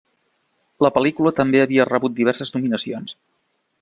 La pel·lícula també havia rebut diverses nominacions.